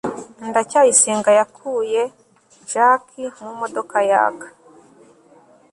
ndacyayisenga yakuye jaki mu modoka yaka